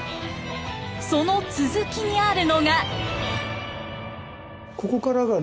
その続きにあるのが。